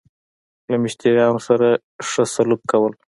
له مشتريانو سره خه سلوک کول